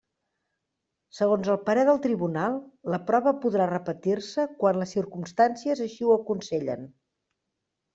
Segons el parer del tribunal, la prova podrà repetir-se quan les circumstàncies així ho aconsellen.